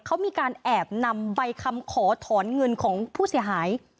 เขามีการแอบนำใบคำขอถอนเงินของผู้เสียหาย